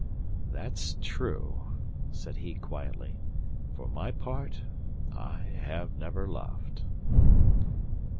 "That's true," said he, quietly, "for my part I have never loved."